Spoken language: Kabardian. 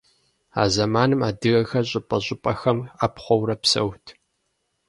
А зэманым адыгэхэр щӀыпӀэ-щӀыпӀэхэм Ӏэпхъуэурэ псэут.